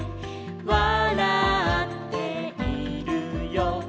「わらっているよ」